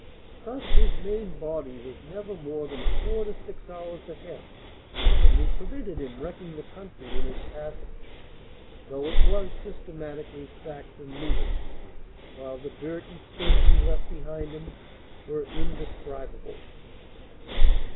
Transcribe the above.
Thus his main body was never more than four to six hours ahead and we prevented him wrecking the country in his passage, though it was systematically sacked and looted, while the dirt and stench he left behind him were indescribable.